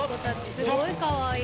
すごいかわいい。